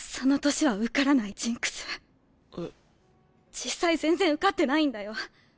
実際全然受かってないんだよ。